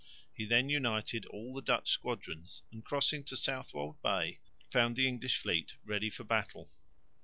He then united all the Dutch squadrons and crossing to Southwold Bay found the English fleet ready for battle.